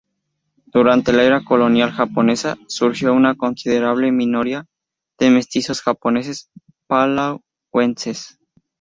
Durante la era colonial japonesa, surgió una considerable minoría de mestizos japoneses-palauenses.